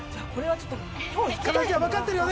分かってるよね。